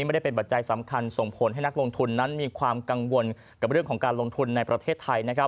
ไม่ได้เป็นปัจจัยสำคัญส่งผลให้นักลงทุนนั้นมีความกังวลกับเรื่องของการลงทุนในประเทศไทย